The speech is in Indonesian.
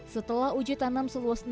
setelah uji tanam seluas enam puluh hektare